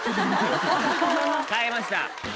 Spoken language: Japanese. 変えました。